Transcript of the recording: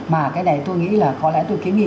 mà cái này tôi nghĩ là có lẽ tôi kiến nghị